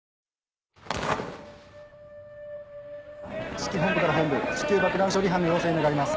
指揮本部から本部至急爆弾処理班の要請願います。